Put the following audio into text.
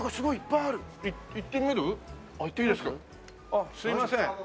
あっすみません。